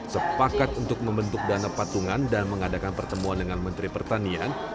sepakat untuk membentuk dana patungan dan mengadakan pertemuan dengan menteri pertanian